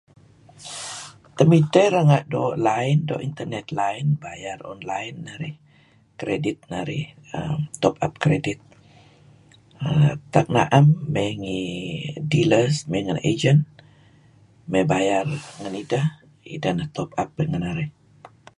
Tamidtah rangah do line, do internet line. bayar online narih[um]credit narih[um]top up credit um utak na'am may ngi dealers may ngi agent, may bayar ngan idah, idah nah top up ngan narih.